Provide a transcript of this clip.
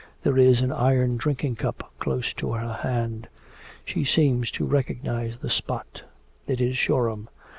There is an iron drinking cup close to her hand. She seems to recognise the spot. It is Shoreham.